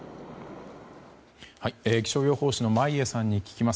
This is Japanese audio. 気象予報士の眞家さんに聞きます。